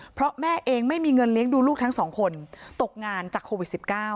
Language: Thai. เพราะแม่เองไม่มีเงินเลี้ยงดูลูกทั้งสองคนตกงานจากโควิด๑๙